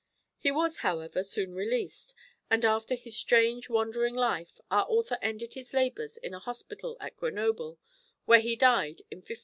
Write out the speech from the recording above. He was, however, soon released, and after his strange wandering life our author ended his labours in a hospital at Grenoble, where he died in 1535.